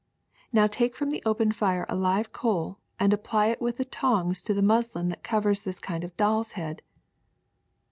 Now take from the open fire a live coal and apply it with the tongs to the muslin that covers this kind of doll's head.''